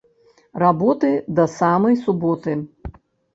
Работы да самай суботы